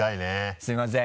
すいません。